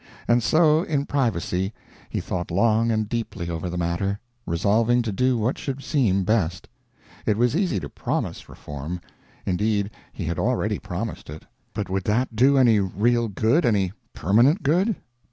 And so, in privacy, he thought long and deeply over the matter, resolving to do what should seem best. It was easy to _promise _reform; indeed he had already promised it. But would that do any real good, any permanent good?